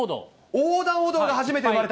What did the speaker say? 横断歩道が初めて生まれた。